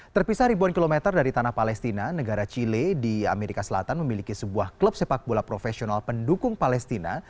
terpisah ribuan kilometer dari tanah palestina negara chile di amerika selatan memiliki sebuah klub sepak bola profesional pendukung palestina